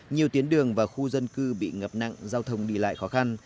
nhiều tuyến đường và khu dân cư bị ngập nặng giao thông đi lại khó khăn